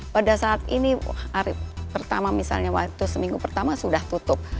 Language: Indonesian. pada saat ini hari pertama misalnya waktu seminggu pertama sudah tutup